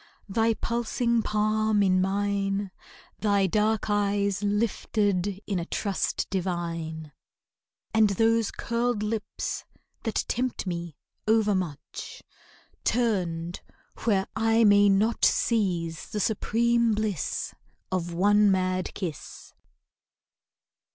Thy pulsing palm in mine, Thy dark eyes lifted in a trust divine, And those curled lips that tempt me overmuch Turned where I may not seize the supreme bliss Of one mad kiss.